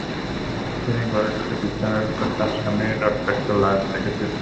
তিনি ঘরে ঢুকে বিছানার ওপর তাঁর স্বামীর রক্তাক্ত লাশ দেখে চিৎকার করেন।